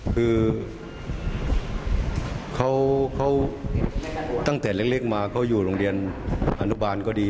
คือเขาตั้งแต่เล็กมาเขาอยู่โรงเรียนอนุบาลก็ดี